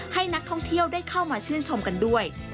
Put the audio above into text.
ให้นักท่องเที่ยวได้เข้ามาชื่นชมกันด้วย